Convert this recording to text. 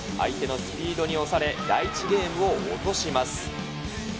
相手のスピードに押され、第１ゲームを落とします。